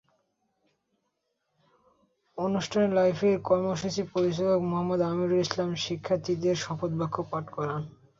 অনুষ্ঠানে লাইফের কর্মসূচি পরিচালক মুহাম্মদ আমীরুল ইসলাম শিক্ষার্থীদের শপথ বাক্য পাঠ করান।